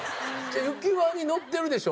浮き輪に乗ってるでしょ。